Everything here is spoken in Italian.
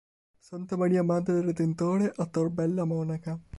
Santa Maria Madre del Redentore a Tor Bella Monaca